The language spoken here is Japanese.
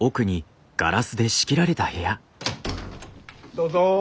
どうぞ。